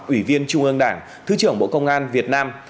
ủy viên trung ương đảng thứ trưởng bộ công an việt nam